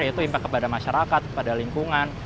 yaitu impact kepada masyarakat kepada lingkungan